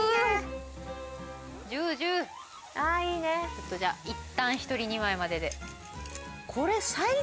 ちょっとじゃあいったん１人２枚までで。